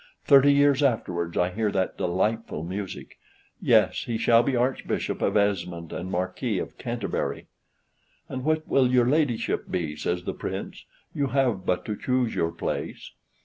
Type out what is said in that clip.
Thirty years afterwards I hear that delightful music. "Yes, he shall be Archbishop of Esmond and Marquis of Canterbury." "And what will your ladyship be?" says the Prince; "you have but to choose your place."